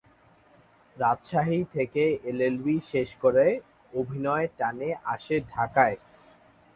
রাজশাহী থেকে এলএলবি শেষ করে অভিনয়ের টানে আসে ঢাকায়।